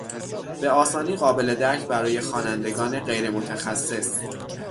به آسانی قابل درک برای خوانندگان غیرمتخصص